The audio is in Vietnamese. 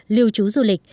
liều trú du lịch